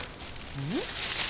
うん？